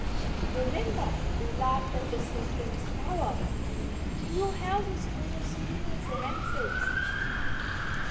Remember, we laughed at the Sea king's power. To your houses for your spears and axes